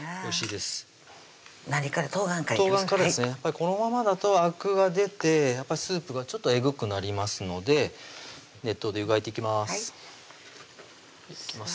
このままだとあくが出てスープがちょっとえぐくなりますので熱湯で湯がいていきます